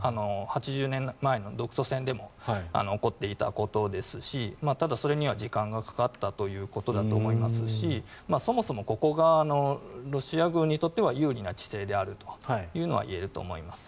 ８０年前の独ソ戦でも起こっていたことですしただ、それには時間がかかったということだと思いますしそもそもここがロシア軍にとっては有利な地勢であるというのは言えると思います。